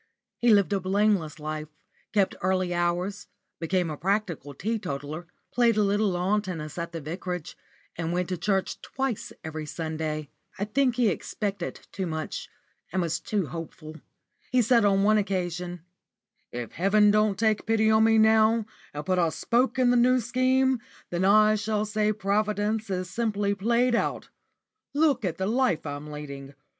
He lived a blameless life, kept early hours, became a practical teetotaler, played a little lawn tennis at the vicarage, and went to church twice every Sunday. I think he expected too much, and was too hopeful. He said on one occasion: "If heaven don't take pity on me now, and put a spoke in the New Scheme, then I shall say Providence is simply played out. Look at the life I'm leading.